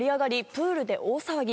プールで大騒ぎ。